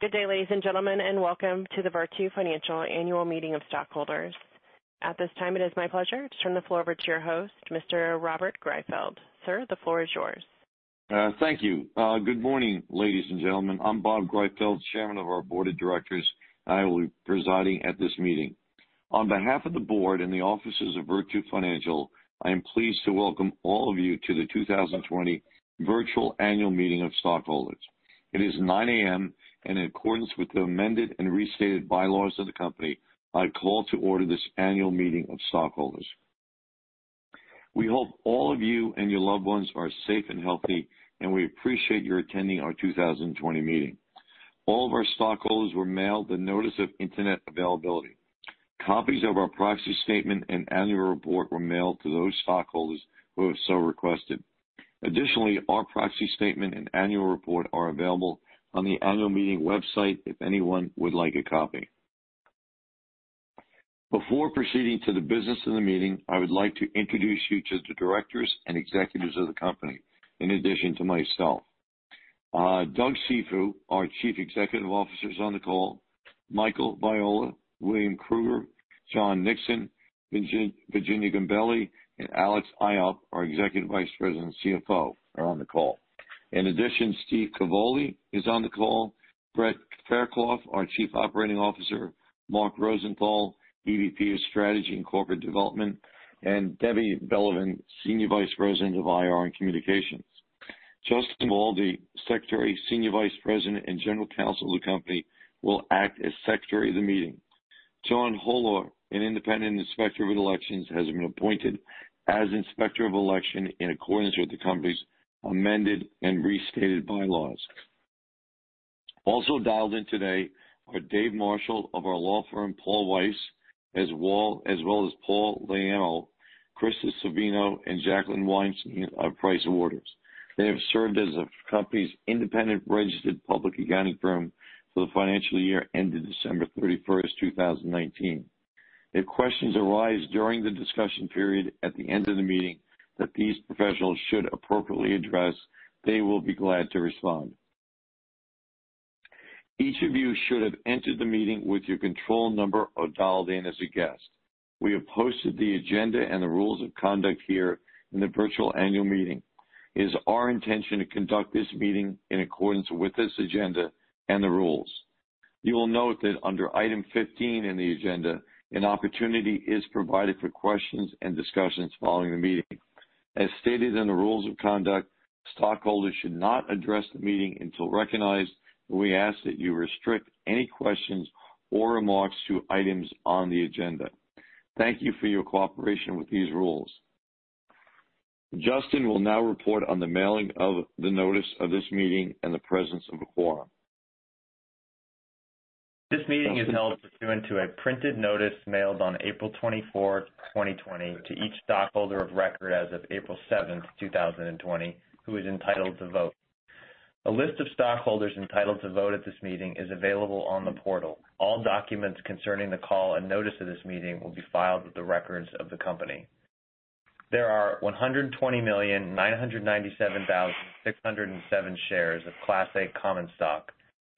Good day ladies and gentlemen, and welcome to the Virtu Financial annual meeting of stockholders. At this time, it is my pleasure to turn the floor over to your host, Mr. Robert Greifeld. Sir, the floor is yours. Thank you. Good morning, ladies and gentlemen. I'm Bob Greifeld, chairman of our board of directors, and I will be presiding at this meeting. On behalf of the board and the officers of Virtu Financial, I am pleased to welcome all of you to the 2020 virtual annual meeting of stockholders. It is 9:00 A.M., and in accordance with the amended and restated bylaws of the company, I call to order this annual meeting of stockholders. We hope all of you and your loved ones are safe and healthy, and we appreciate your attending our 2020 meeting. All of our stockholders were mailed the notice of internet availability. Copies of our proxy statement and annual report were mailed to those stockholders who have so requested. Additionally, our proxy statement and annual report are available on the annual meeting website if anyone would like a copy. Before proceeding to the business of the meeting, I would like to introduce you to the directors and executives of the company, in addition to myself. Doug Cifu, our Chief Executive Officer, is on the call. Michael Viola, William Krueger, John Nixon, Virginia Gambale, and Alex Ioffe, our Executive Vice President and CFO, are on the call. In addition, Steve Cavoli is on the call. Brett Fairclough, our Chief Operating Officer. Mark Rosenthal, EVP of strategy and corporate development. Debbie Belevan, Senior Vice President of IR and communications. Justin Waldie, Secretary, Senior Vice President and General Counsel of the company, will act as secretary of the meeting. John Holler, an independent inspector of elections, has been appointed as inspector of election in accordance with the company's amended and restated bylaws. Also dialed in today are Dave Marshall of our law firm, Paul, Weiss, as well as Paul Llano, Christa Savino, and Jacqueline Weinstein of PricewaterhouseCoopers. They have served as the company's independent registered public accounting firm for the financial year ended December 31, 2019. If questions arise during the discussion period at the end of the meeting that these professionals should appropriately address, they will be glad to respond. Each of you should have entered the meeting with your control number or dialed in as a guest. We have posted the agenda and the rules of conduct here in the virtual annual meeting. It is our intention to conduct this meeting in accordance with this agenda and the rules. You will note that under item 15 in the agenda, an opportunity is provided for questions and discussions following the meeting. As stated in the rules of conduct, stockholders should not address the meeting until recognized, and we ask that you restrict any questions or remarks to items on the agenda. Thank you for your cooperation with these rules. Justin will now report on the mailing of the notice of this meeting and the presence of a quorum. This meeting is held pursuant to a printed notice mailed on April 24, 2020, to each stockholder of record as of April 7, 2020, who is entitled to vote. A list of stockholders entitled to vote at this meeting is available on the portal. All documents concerning the call and notice of this meeting will be filed with the records of the company. There are 120,997,607 shares of Class A Common Stock,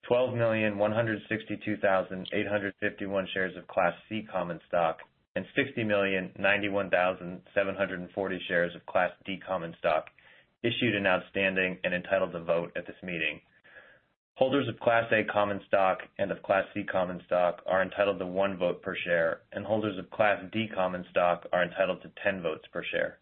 12,162,851 shares of Class C Common Stock, and 60,091,740 shares of Class D Common Stock issued and outstanding and entitled to vote at this meeting. Holders of Class A Common Stock and of Class C Common Stock are entitled to one vote per share, and holders of Class D Common Stock are entitled to 10 votes per share.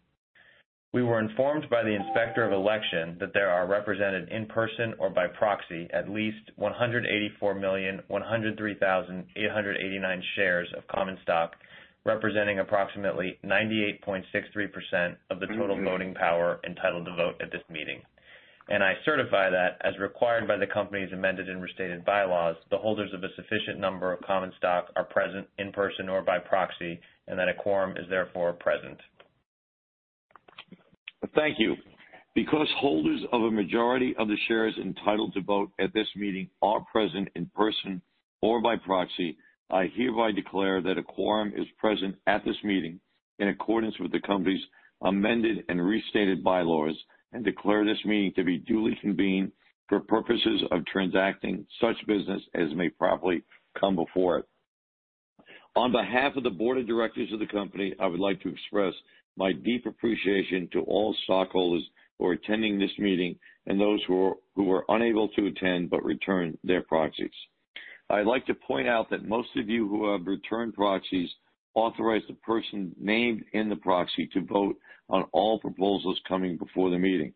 We were informed by the inspector of election that there are represented in person or by proxy at least 184,103,889 shares of common stock representing approximately 98.63% of the total voting power entitled to vote at this meeting, and I certify that as required by the company's amended and restated bylaws, the holders of a sufficient number of common stock are present in person or by proxy and that a quorum is therefore present. Thank you. Because holders of a majority of the shares entitled to vote at this meeting are present in person or by proxy, I hereby declare that a quorum is present at this meeting in accordance with the company's amended and restated bylaws and declare this meeting to be duly convened for purposes of transacting such business as may properly come before it. On behalf of the board of directors of the company, I would like to express my deep appreciation to all stockholders who are attending this meeting and those who were unable to attend but returned their proxies. I'd like to point out that most of you who have returned proxies authorize the person named in the proxy to vote on all proposals coming before the meeting.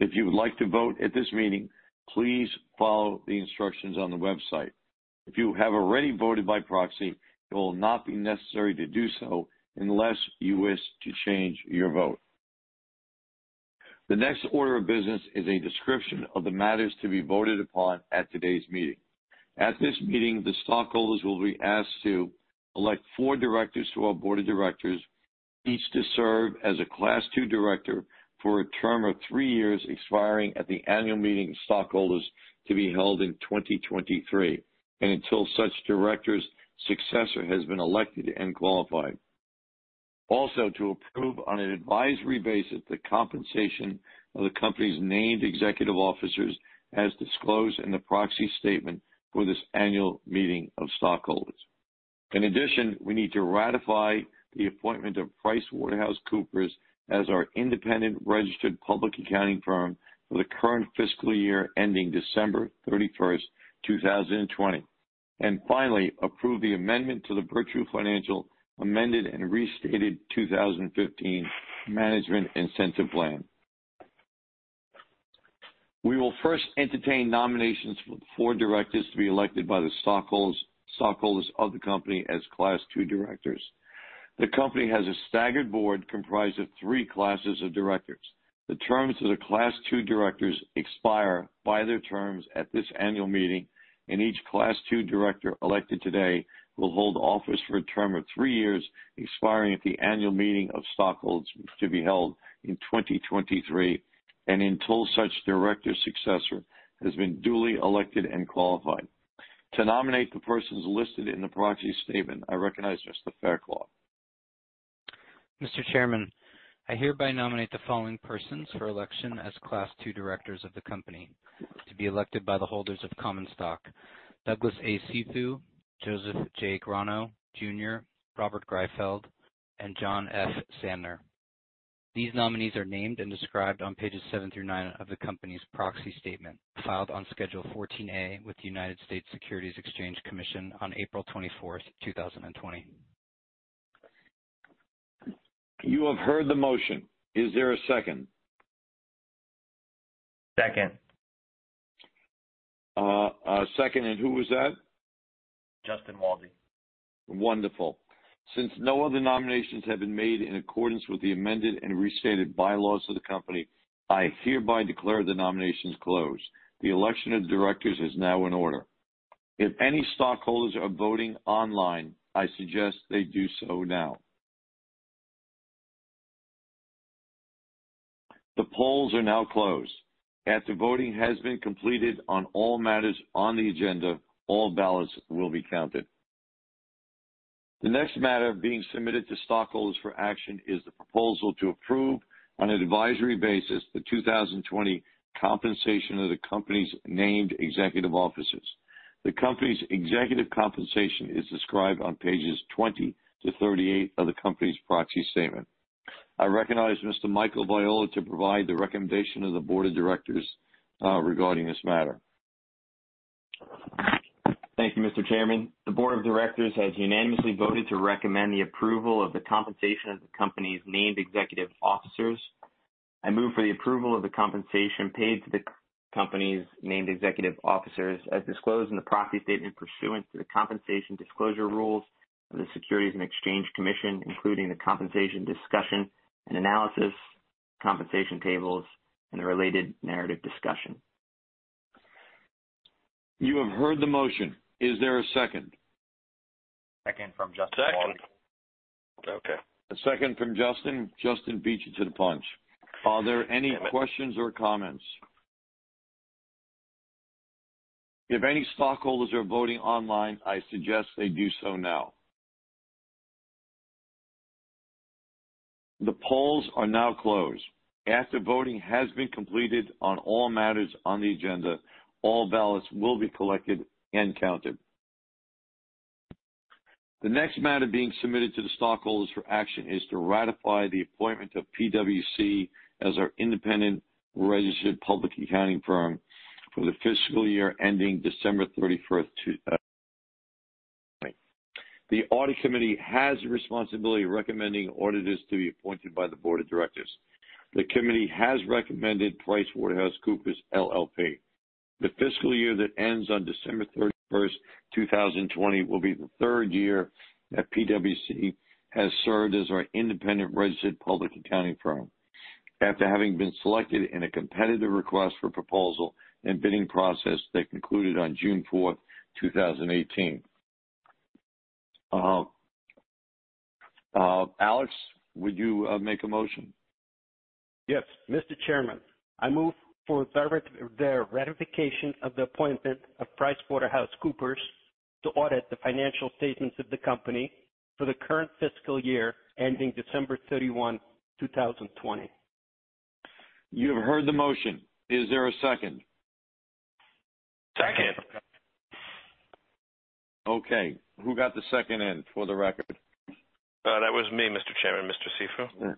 If you would like to vote at this meeting, please follow the instructions on the website. If you have already voted by proxy, it will not be necessary to do so unless you wish to change your vote. The next order of business is a description of the matters to be voted upon at today's meeting. At this meeting, the stockholders will be asked to elect four directors to our Board of Directors, each to serve as a Class II director for a term of three years expiring at the annual meeting of stockholders to be held in 2023 and until such director's successor has been elected and qualified. Also, to approve on an advisory basis the compensation of the company's Named Executive Officers as disclosed in the proxy statement for this annual meeting of stockholders. In addition, we need to ratify the appointment of PricewaterhouseCoopers as our independent registered public accounting firm for the current fiscal year ending December 31, 2020, and finally approve the amendment to the Virtu Financial Amended and Restated 2015 Management Incentive Plan. We will first entertain nominations for directors to be elected by the stockholders of the company as Class II directors. The company has a staggered board comprised of three classes of directors. The terms of the Class II directors expire by their terms at this annual meeting, and each Class II director elected today will hold office for a term of three years expiring at the annual meeting of stockholders to be held in 2023 and until such director successor has been duly elected and qualified. To nominate the persons listed in the proxy statement, I recognize Mr. Fairclough. Mr. Chairman, I hereby nominate the following persons for election as Class 2 directors of the company to be elected by the holders of common stock: Douglas A. Cifu, Joseph J. Grano, Jr., Robert Greifeld, and John F. Sandner. These nominees are named and described on pages seven through nine of the company's proxy statement filed on Schedule 14A with the United States Securities and Exchange Commission on April 24, 2020. You have heard the motion. Is there a second? Second. A second, and who was that? Justin Waldie. Wonderful. Since no other nominations have been made in accordance with the amended and restated bylaws of the company, I hereby declare the nominations closed. The election of the directors is now in order. If any stockholders are voting online, I suggest they do so now. The polls are now closed. After voting has been completed on all matters on the agenda, all ballots will be counted. The next matter being submitted to stockholders for action is the proposal to approve on an advisory basis the 2020 compensation of the company's named executive officers. The company's executive compensation is described on pages 20 to 38 of the company's Proxy Statement. I recognize Mr. Michael Viola to provide the recommendation of the board of directors regarding this matter. Thank you, Mr. Chairman. The board of directors has unanimously voted to recommend the approval of the compensation of the company's named executive officers. I move for the approval of the compensation paid to the company's named executive officers as disclosed in the proxy statement pursuant to the compensation disclosure rules of the Securities and Exchange Commission, including the compensation discussion and analysis, compensation tables, and the related narrative discussion. You have heard the motion. Is there a second? Second from Justin Waldie. Second. Okay. A second from Justin. Justin beats you to the punch. Are there any questions or comments? If any stockholders are voting online, I suggest they do so now. The polls are now closed. After voting has been completed on all matters on the agenda, all ballots will be collected and counted. The next matter being submitted to the stockholders for action is to ratify the appointment of PwC as our independent registered public accounting firm for the fiscal year ending December 31. The audit committee has the responsibility of recommending auditors to be appointed by the board of directors. The committee has recommended PricewaterhouseCoopers, LLP. The fiscal year that ends on December 31, 2020, will be the third year that PwC has served as our independent registered public accounting firm after having been selected in a competitive request for proposal and bidding process that concluded on June 4, 2018. Alex, would you make a motion? Yes. Mr. Chairman, I move for the ratification of the appointment of PricewaterhouseCoopers to audit the financial statements of the company for the current fiscal year ending December 31, 2020. You have heard the motion. Is there a second? Second. Okay. Who got the second in for the record? That was me, Mr. Chairman. Mr. Cifu.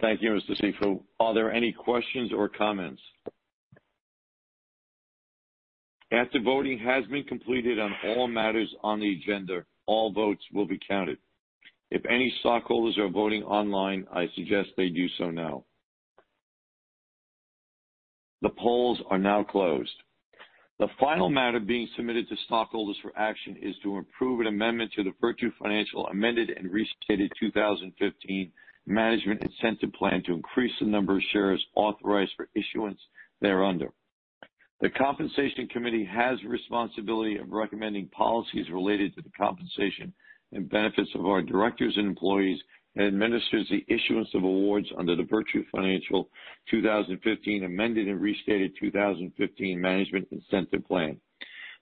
Thank you, Mr. Cifu. Are there any questions or comments? After voting has been completed on all matters on the agenda, all votes will be counted. If any stockholders are voting online, I suggest they do so now. The polls are now closed. The final matter being submitted to stockholders for action is to approve an amendment to the Virtu Financial Amended and Restated 2015 Management Incentive Plan to increase the number of shares authorized for issuance thereunder. The compensation committee has the responsibility of recommending policies related to the compensation and benefits of our directors and employees and administers the issuance of awards under the Virtu Financial Amended and Restated 2015 Management Incentive Plan.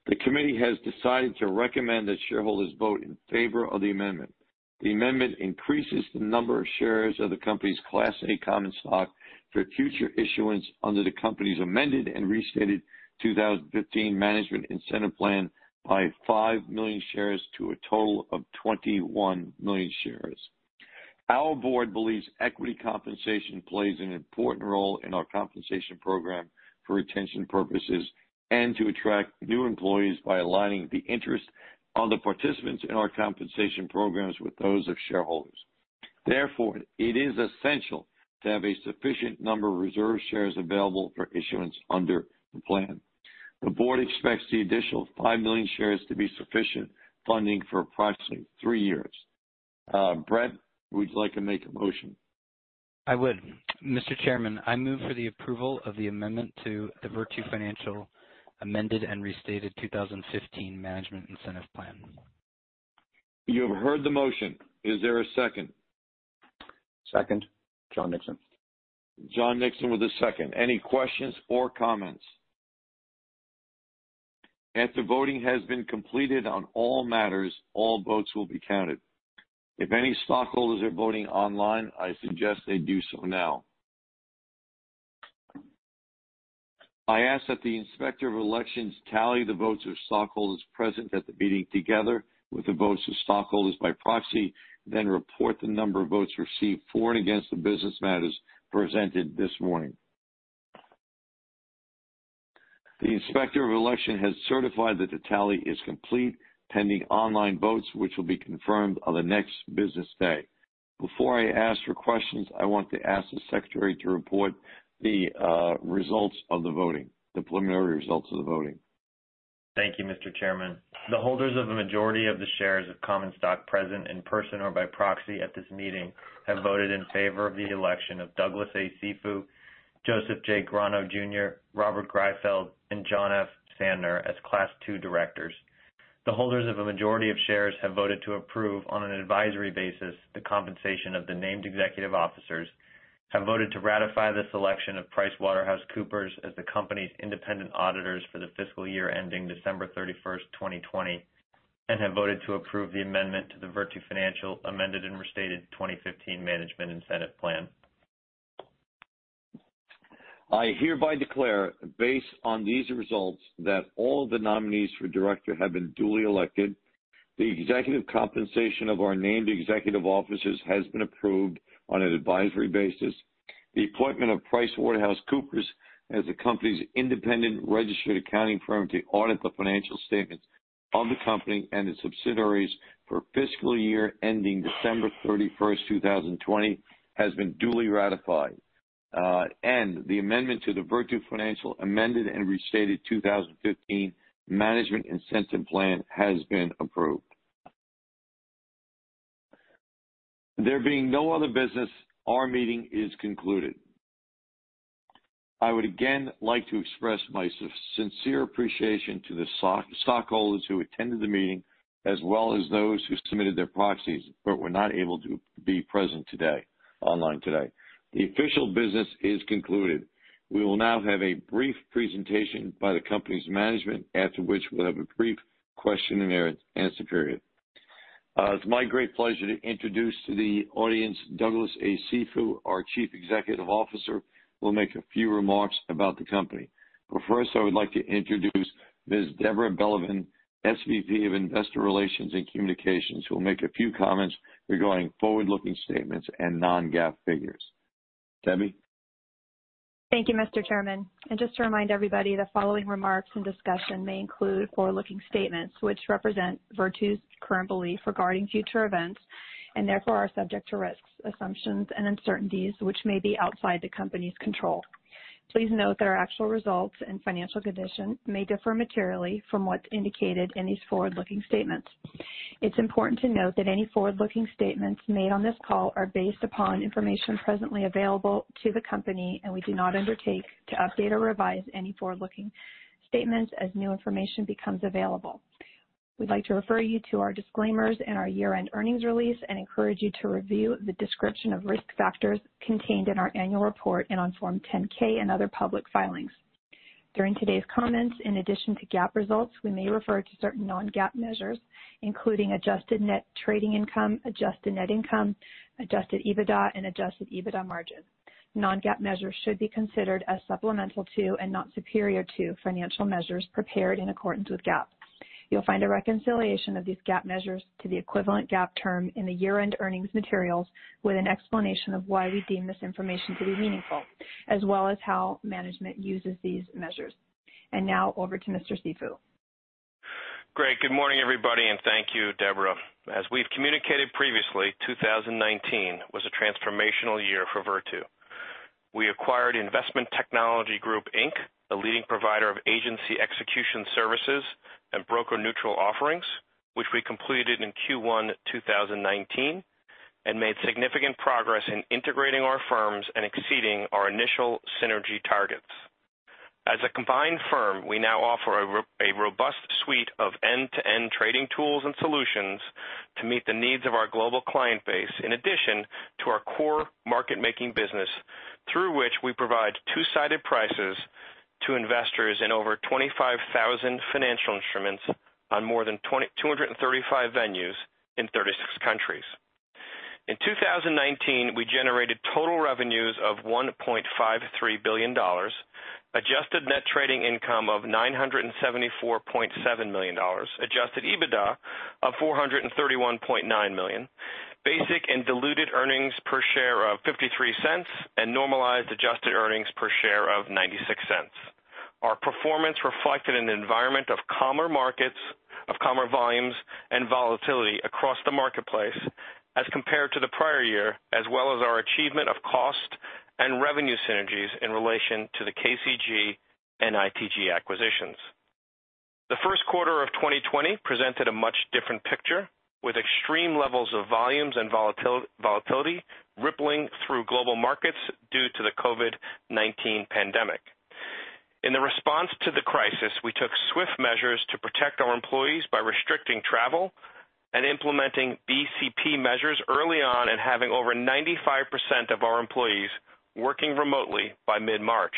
The committee has decided to recommend that shareholders vote in favor of the amendment. The amendment increases the number of shares of the company's Class A Common Stock for future issuance under the company's amended and restated 2015 Management Incentive Plan by 5 million shares to a total of 21 million shares. Our board believes equity compensation plays an important role in our compensation program for retention purposes and to attract new employees by aligning the interest of the participants in our compensation programs with those of shareholders. Therefore, it is essential to have a sufficient number of reserve shares available for issuance under the plan. The board expects the additional 5 million shares to be sufficient funding for approximately three years. Brett, would you like to make a motion? I would. Mr. Chairman, I move for the approval of the amendment to the Virtu Financial Amended and Restated 2015 Management Incentive Plan. You have heard the motion. Is there a second? Second. John Nixon. John Nixon with a second. Any questions or comments? After voting has been completed on all matters, all votes will be counted. If any stockholders are voting online, I suggest they do so now. I ask that the inspector of elections tally the votes of stockholders present at the meeting together with the votes of stockholders by proxy, then report the number of votes received for and against the business matters presented this morning. The inspector of election has certified that the tally is complete pending online votes, which will be confirmed on the next business day. Before I ask for questions, I want to ask the secretary to report the results of the voting, the preliminary results of the voting. Thank you, Mr. Chairman. The holders of a majority of the shares of common stock present in person or by proxy at this meeting have voted in favor of the election of Douglas A. Cifu, Joseph J. Grano, Jr., Robert Greifeld, and John F. Sandner as Class 2 directors. The holders of a majority of shares have voted to approve on an advisory basis the compensation of the named executive officers, have voted to ratify the selection of PricewaterhouseCoopers as the company's independent auditors for the fiscal year ending December 31, 2020, and have voted to approve the amendment to the Virtu Financial Amended and Restated 2015 Management Incentive Plan. I hereby declare, based on these results, that all the nominees for director have been duly elected. The executive compensation of our named executive officers has been approved on an advisory basis. The appointment of PricewaterhouseCoopers as the company's independent registered accounting firm to audit the financial statements of the company and its subsidiaries for fiscal year ending December 31, 2020, has been duly ratified, and the amendment to the Virtu Financial Amended and Restated 2015 Management Incentive Plan has been approved. There being no other business, our meeting is concluded. I would again like to express my sincere appreciation to the stockholders who attended the meeting as well as those who submitted their proxies but were not able to be present online today. The official business is concluded. We will now have a brief presentation by the company's management, after which we'll have a brief question and answer period. It's my great pleasure to introduce to the audience Douglas A. Cifu, our Chief Executive Officer, who will make a few remarks about the company. First, I would like to introduce Ms. Deborah Belevan, SVP of Investor Relations and Communications, who will make a few comments regarding forward-looking statements and non-GAAP figures. Debbie? Thank you, Mr. Chairman, and just to remind everybody, the following remarks and discussion may include forward-looking statements which represent Virtu's current belief regarding future events and therefore are subject to risks, assumptions, and uncertainties which may be outside the company's control. Please note that our actual results and financial condition may differ materially from what's indicated in these forward-looking statements. It's important to note that any forward-looking statements made on this call are based upon information presently available to the company, and we do not undertake to update or revise any forward-looking statements as new information becomes available. We'd like to refer you to our disclaimers and our year-end earnings release and encourage you to review the description of risk factors contained in our annual report and on Form 10-K and other public filings. During today's comments, in addition to GAAP results, we may refer to certain non-GAAP measures, including adjusted net trading income, adjusted net income, adjusted EBITDA, and adjusted EBITDA margin. Non-GAAP measures should be considered as supplemental to and not superior to financial measures prepared in accordance with GAAP. You'll find a reconciliation of these GAAP measures to the equivalent GAAP term in the year-end earnings materials with an explanation of why we deem this information to be meaningful, as well as how management uses these measures. And now over to Mr. Cifu. Great. Good morning, everybody, and thank you, Deborah. As we've communicated previously, 2019 was a transformational year for Virtu. We acquired Investment Technology Group, Inc., a leading provider of agency execution services and broker-neutral offerings, which we completed in Q1 2019, and made significant progress in integrating our firms and exceeding our initial synergy targets. As a combined firm, we now offer a robust suite of end-to-end trading tools and solutions to meet the needs of our global client base in addition to our core market-making business, through which we provide two-sided prices to investors in over 25,000 financial instruments on more than 235 venues in 36 countries. In 2019, we generated total revenues of $1.53 billion, Adjusted Net Trading Income of $974.7 million, Adjusted EBITDA of $431.9 million, Basic and Diluted Earnings Per Share of $0.53, and Normalized Adjusted Earnings Per Share of $0.96. Our performance reflected an environment of calmer markets, of calmer volumes, and volatility across the marketplace as compared to the prior year, as well as our achievement of cost and revenue synergies in relation to the KCG and ITG acquisitions. The first quarter of 2020 presented a much different picture with extreme levels of volumes and volatility rippling through global markets due to the COVID-19 pandemic. In the response to the crisis, we took swift measures to protect our employees by restricting travel and implementing BCP measures early on and having over 95% of our employees working remotely by mid-March.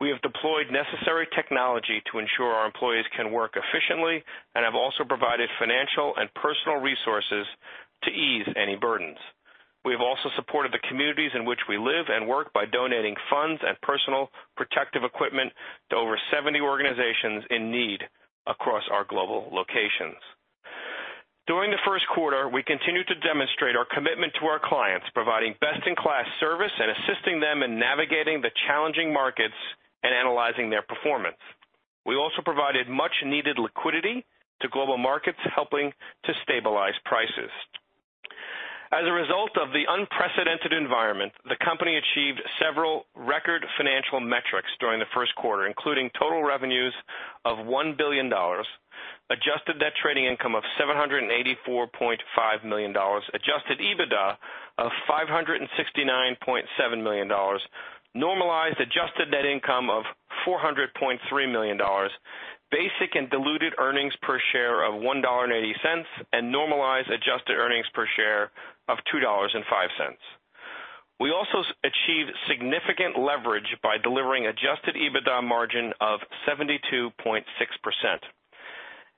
We have deployed necessary technology to ensure our employees can work efficiently and have also provided financial and personal resources to ease any burdens. We have also supported the communities in which we live and work by donating funds and personal protective equipment to over 70 organizations in need across our global locations. During the first quarter, we continued to demonstrate our commitment to our clients, providing best-in-class service and assisting them in navigating the challenging markets and analyzing their performance. We also provided much-needed liquidity to global markets, helping to stabilize prices. As a result of the unprecedented environment, the company achieved several record financial metrics during the first quarter, including total revenues of $1 billion, adjusted net trading income of $784.5 million, adjusted EBITDA of $569.7 million, normalized adjusted net income of $400.3 million, basic and diluted earnings per share of $1.80, and normalized adjusted earnings per share of $2.05. We also achieved significant leverage by delivering adjusted EBITDA margin of 72.6%.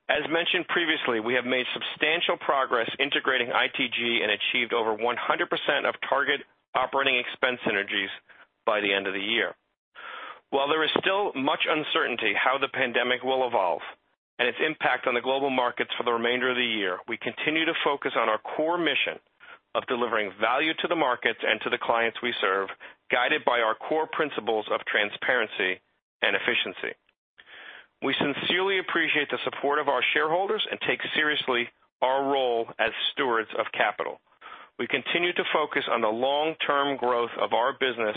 As mentioned previously, we have made substantial progress integrating ITG and achieved over 100% of target operating expense synergies by the end of the year. While there is still much uncertainty how the pandemic will evolve and its impact on the global markets for the remainder of the year, we continue to focus on our core mission of delivering value to the markets and to the clients we serve, guided by our core principles of transparency and efficiency. We sincerely appreciate the support of our shareholders and take seriously our role as stewards of capital. We continue to focus on the long-term growth of our business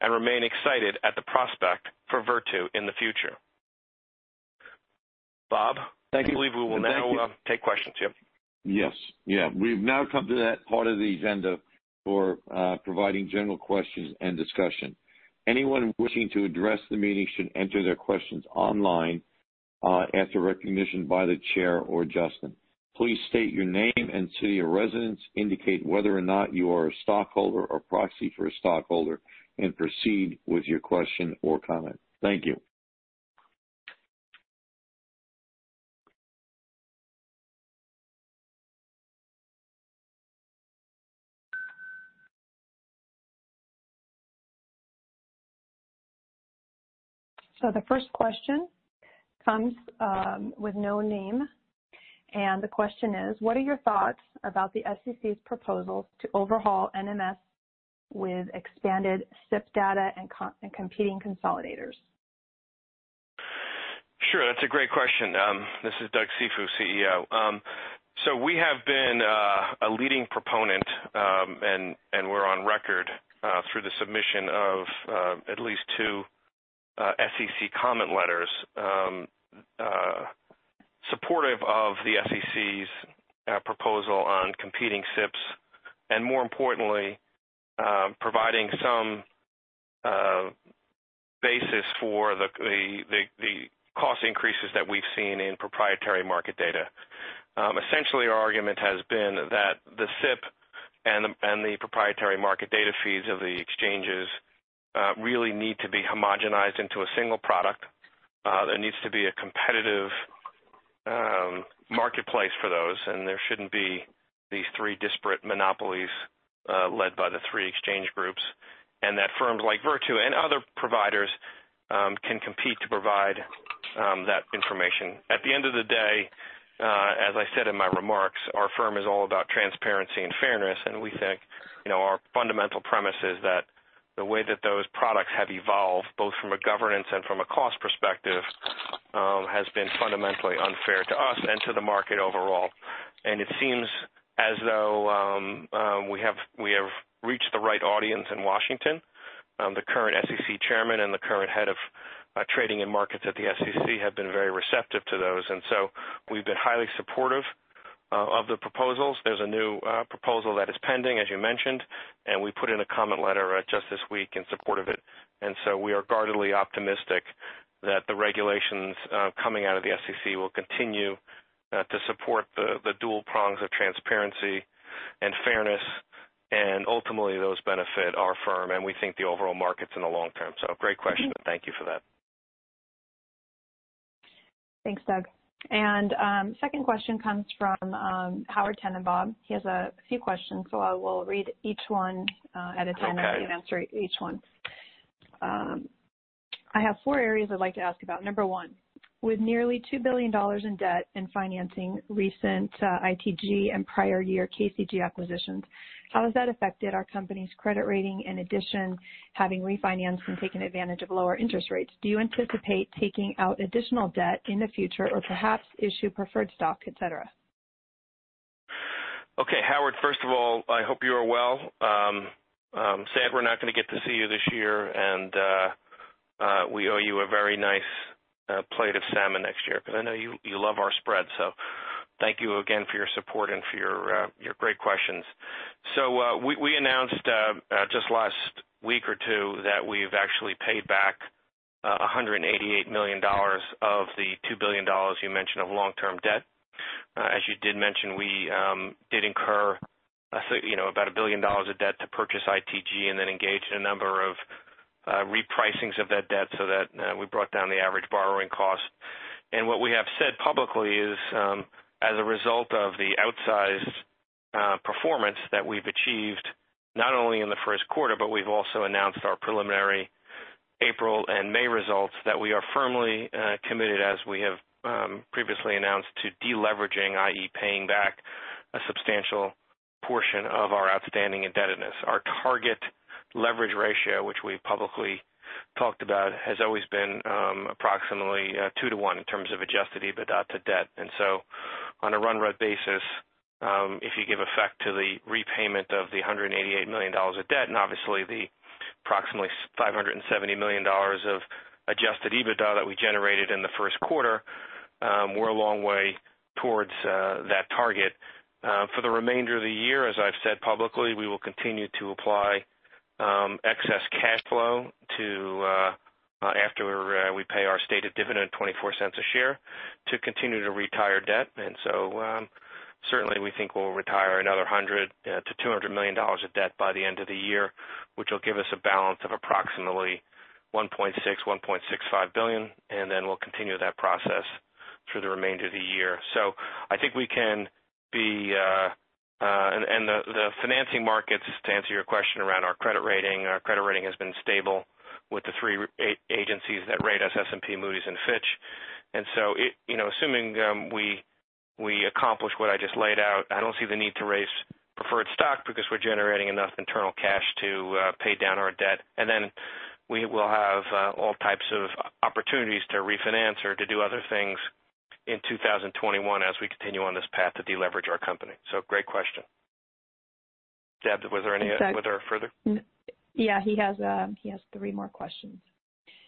and remain excited at the prospect for Virtu in the future. Bob, I believe we will now take questions. Yes. Yes. Yeah. We've now come to that part of the agenda for providing general questions and discussion. Anyone wishing to address the meeting should enter their questions online after recognition by the chair or adjournment. Please state your name and city of residence, indicate whether or not you are a stockholder or proxy for a stockholder, and proceed with your question or comment. Thank you. So the first question comes with no name, and the question is, "What are your thoughts about the SEC's proposals to overhaul NMS with expanded SIP data and Competing Consolidators? Sure. That's a great question. This is Doug Cifu, CEO. So we have been a leading proponent, and we're on record through the submission of at least two SEC comment letters supportive of the SEC's proposal on competing SIPs and, more importantly, providing some basis for the cost increases that we've seen in proprietary market data. Essentially, our argument has been that the SIP and the proprietary market data feeds of the exchanges really need to be homogenized into a single product. There needs to be a competitive marketplace for those, and there shouldn't be these three disparate monopolies led by the three exchange groups, and that firms like Virtu and other providers can compete to provide that information. At the end of the day, as I said in my remarks, our firm is all about transparency and fairness, and we think our fundamental premise is that the way that those products have evolved, both from a governance and from a cost perspective, has been fundamentally unfair to us and to the market overall, and it seems as though we have reached the right audience in Washington. The current SEC chairman and the current head of trading and markets at the SEC have been very receptive to those, and so we've been highly supportive of the proposals. There's a new proposal that is pending, as you mentioned, and we put in a comment letter just this week in support of it. We are guardedly optimistic that the regulations coming out of the SEC will continue to support the dual prongs of transparency and fairness, and ultimately, those benefit our firm, and we think the overall markets in the long term. So great question, and thank you for that. Thanks, Doug. And second question comes from Howard Tanenbaum. He has a few questions, so I will read each one at a time and answer each one. I have four areas I'd like to ask about. Number one, with nearly $2 billion in debt and financing recent ITG and prior year KCG acquisitions, how has that affected our company's credit rating in addition to having refinanced and taken advantage of lower interest rates? Do you anticipate taking out additional debt in the future or perhaps issue preferred stock, etc.? Okay. Howard, first of all, I hope you are well. Sad we're not going to get to see you this year, and we owe you a very nice plate of salmon next year because I know you love our spread. So thank you again for your support and for your great questions. So we announced just last week or two that we've actually paid back $188 million of the $2 billion you mentioned of long-term debt. As you did mention, we did incur about $1 billion of debt to purchase ITG and then engage in a number of repricings of that debt so that we brought down the average borrowing cost. What we have said publicly is, as a result of the outsized performance that we've achieved not only in the first quarter, but we've also announced our preliminary April and May results that we are firmly committed, as we have previously announced, to deleveraging, i.e., paying back a substantial portion of our outstanding indebtedness. Our target leverage ratio, which we publicly talked about, has always been approximately 2 to 1 in terms of Adjusted EBITDA to debt. On a run-rate basis, if you give effect to the repayment of the $188 million of debt and obviously the approximately $570 million of Adjusted EBITDA that we generated in the first quarter, we're a long way towards that target. For the remainder of the year, as I've said publicly, we will continue to apply excess cash flow after we pay our stated dividend of $0.24 a share to continue to retire debt. Certainly, we think we'll retire another $100-$200 million of debt by the end of the year, which will give us a balance of approximately $1.6-$1.65 billion, and then we'll continue that process through the remainder of the year. I think we can be in the financing markets, to answer your question around our credit rating. Our credit rating has been stable with the three agencies that rate us, S&P, Moody's, and Fitch. And so assuming we accomplish what I just laid out, I don't see the need to raise preferred stock because we're generating enough internal cash to pay down our debt. And then we will have all types of opportunities to refinance or to do other things in 2021 as we continue on this path to deleverage our company. So great question. Deb, was there any further? Yeah. He has three more questions.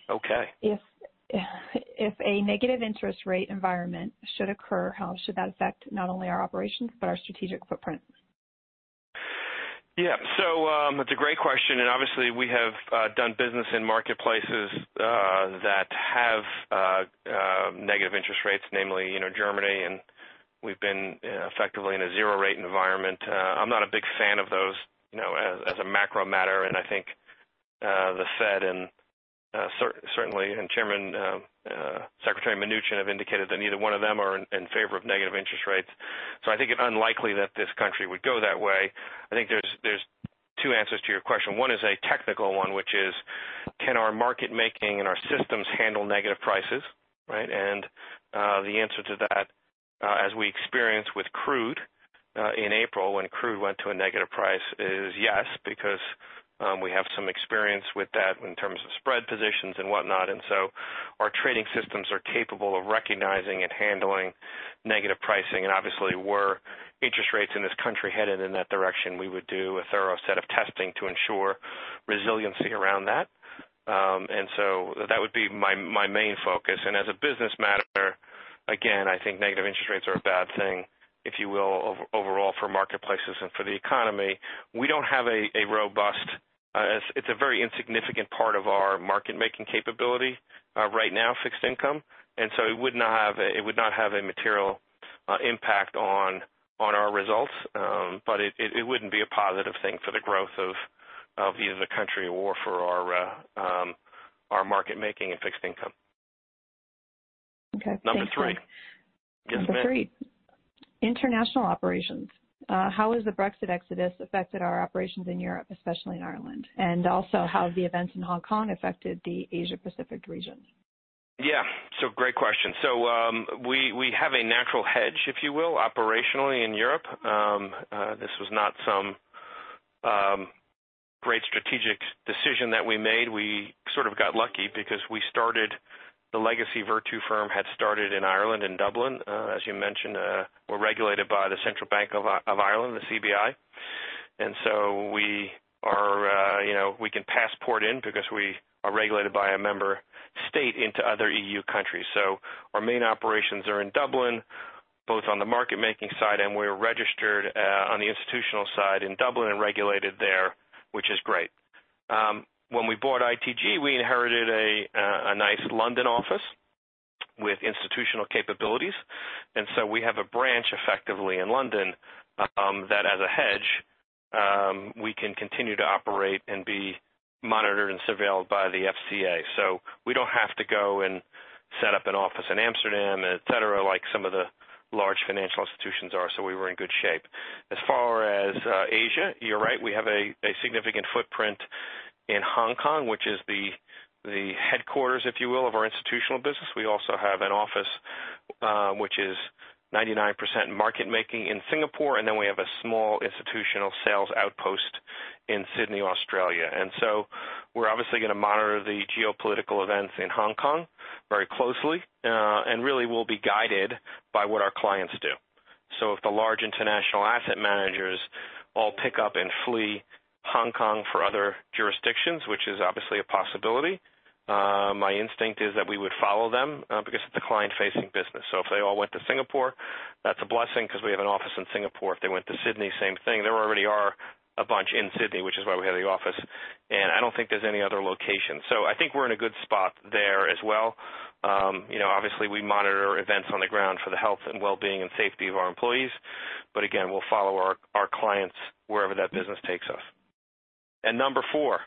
Okay. If a negative interest rate environment should occur, how should that affect not only our operations but our strategic footprint? Yeah. So it's a great question, and obviously, we have done business in marketplaces that have negative interest rates, namely Germany, and we've been effectively in a zero-rate environment. I'm not a big fan of those as a macro matter, and I think the Fed and certainly Chairman Secretary Mnuchin have indicated that neither one of them are in favor of negative interest rates. I think it's unlikely that this country would go that way. I think there's two answers to your question. One is a technical one, which is, can our market making and our systems handle negative prices? Right? And the answer to that, as we experienced with crude in April when crude went to a negative price, is yes because we have some experience with that in terms of spread positions and whatnot. Our trading systems are capable of recognizing and handling negative pricing, and obviously, were interest rates in this country headed in that direction, we would do a thorough set of testing to ensure resiliency around that. That would be my main focus. As a business matter, again, I think negative interest rates are a bad thing, if you will, overall for marketplaces and for the economy. We don't have a robust. It's a very insignificant part of our market-making capability right now, fixed income, and so it would not have a material impact on our results, but it wouldn't be a positive thing for the growth of either the country or for our market making and fixed income. Number three. Number three, international operations. How has the Brexit exodus affected our operations in Europe, especially in Ireland? And also, how have the events in Hong Kong affected the Asia-Pacific region? Yeah. So great question. So we have a natural hedge, if you will, operationally in Europe. This was not some great strategic decision that we made. We got lucky because we started, the legacy Virtu firm had started in Ireland in Dublin. As you mentioned, we're regulated by the Central Bank of Ireland, the CBI. And so we can passport in because we are regulated by a member state into other EU countries. Our main operations are in Dublin, both on the market-making side, and we're registered on the institutional side in Dublin and regulated there, which is great. When we bought ITG, we inherited a nice London office with institutional capabilities. We have a branch effectively in London that, as a hedge, we can continue to operate and be monitored and surveilled by the FCA. We don't have to go and set up an office in Amsterdam, etc., like some of the large financial institutions are. So we were in good shape. As far as Asia, you're right. We have a significant footprint in Hong Kong, which is the headquarters, if you will, of our institutional business. We also have an office which is 99% market making in Singapore, and then we have a small institutional sales outpost in Sydney, Australia. And so we're obviously going to monitor the geopolitical events in Hong Kong very closely and really will be guided by what our clients do. If the large international asset managers all pick up and flee Hong Kong for other jurisdictions, which is obviously a possibility, my instinct is that we would follow them because it's a client-facing business. If they all went to Singapore, that's a blessing because we have an office in Singapore. If they went to Sydney, same thing. There already are a bunch in Sydney, which is why we have the office, and I don't think there's any other location. I think we're in a good spot there as well. Obviously, we monitor events on the ground for the health and well-being and safety of our employees, but again, we'll follow our clients wherever that business takes us. And number four.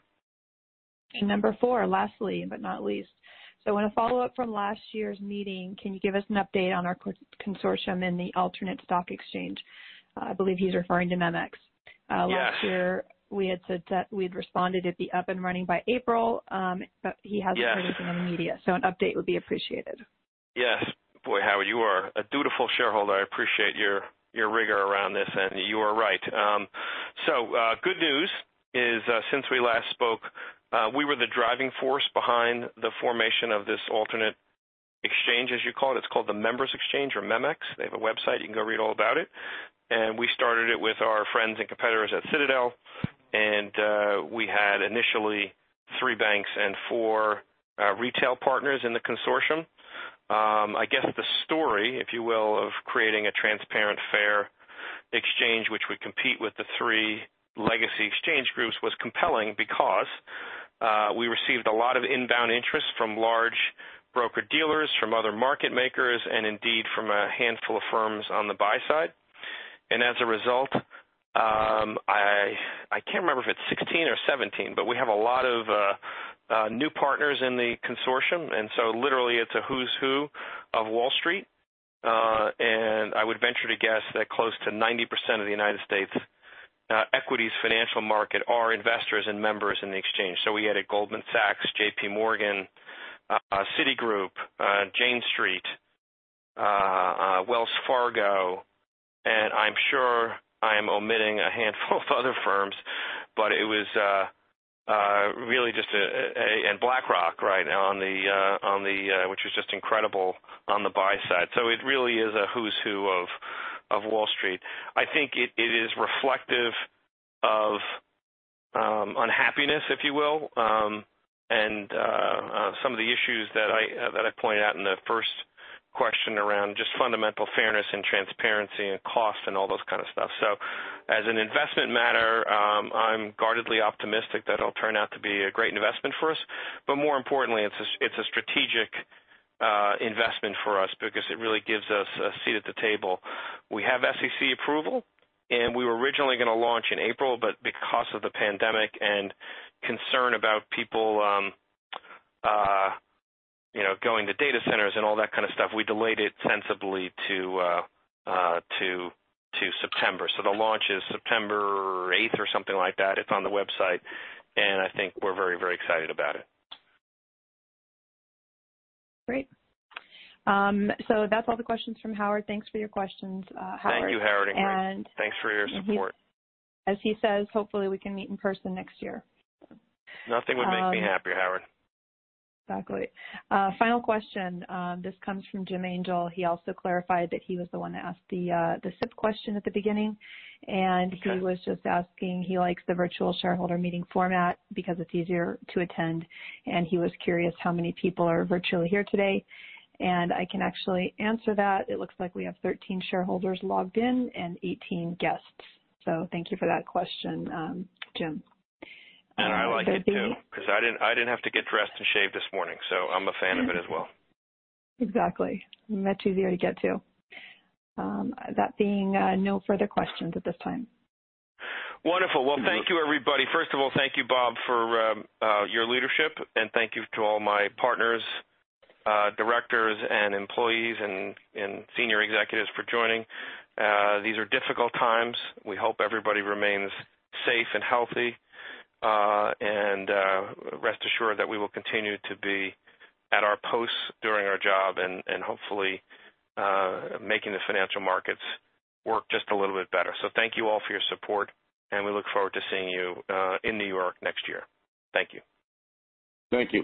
Number four, lastly but not least. In a follow-up from last year's meeting, can you give us an update on our consortium in the alternate stock exchange? I believe he's referring to MEMX. Last year, we had said that we'd expected to be up and running by April, but he hasn't heard anything in the media. An update would be appreciated. Yes. Boy, Howard, you are a dutiful shareholder. I appreciate your rigor around this, and you are right. So good news is, since we last spoke, we were the driving force behind the formation of this alternate exchange, as you call it. It's called the Members Exchange or MEMX. They have a website. You can go read all about it. And we started it with our friends and competitors at Citadel, and we had initially three banks and four retail partners in the consortium. I guess the story, if you will, of creating a transparent, fair exchange which would compete with the three legacy exchange groups was compelling because we received a lot of inbound interest from large broker-dealers, from other market makers, and indeed from a handful of firms on the buy side. As a result, I can't remember if it's 16 or 17, but we have a lot of new partners in the consortium, and so literally, it's a who's who of Wall Street. I would venture to guess that close to 90% of the United States equities financial market are investors and members in the exchange. We added Goldman Sachs, J.P. Morgan, Citigroup, Jane Street, Wells Fargo, and I'm sure I am omitting a handful of other firms, but it was really just a—and BlackRock, right, which was just incredible on the buy side. It really is a who's who of Wall Street. I think it is reflective of unhappiness, if you will, and some of the issues that I pointed out in the first question around just fundamental fairness and transparency and cost and all those stuff. So as an investment matter, I'm guardedly optimistic that it'll turn out to be a great investment for us. More importantly, it's a strategic investment for us because it really gives us a seat at the table. We have SEC approval, and we were originally going to launch in April, but because of the pandemic and concern about people going to data centers and all that stuff, we delayed it sensibly to September. The launch is September 8th or something like that. It's on the website, and I think we're very, very excited about it. Great. So that's all the questions from Howard. Thanks for your questions, Howard. Thank you, Howard, and thanks for your support. As he says, hopefully, we can meet in person next year. Nothing would make me happier, Howard. Exactly. Final question. This comes from Jim Angel. He also clarified that he was the one that asked the SIP question at the beginning, and he was just asking, he likes the virtual shareholder meeting format because it's easier to attend, and he was curious how many people are virtually here today. And I can actually answer that. It looks like we have 13 shareholders logged in and 18 guests. Thank you for that question, Jim. I like it too because I didn't have to get dressed and shaved this morning, so I'm a fan of it as well. Exactly. Much easier to get to. That being no further questions at this time. Wonderful. Well, thank you, everybody. First of all, thank you, Bob, for your leadership, and thank you to all my partners, directors, and employees and senior executives for joining. These are difficult times. We hope everybody remains safe and healthy and rest assured that we will continue to be at our posts during our job and hopefully making the financial markets work just a little bit better. Thank you all for your support, and we look forward to seeing you in New York next year. Thank you. Thank you.